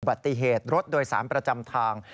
อุบัติเหตุรถสารประจำทาง